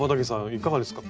いかがですか？